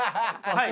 はい。